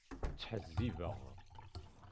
Ttḥezzibeɣ.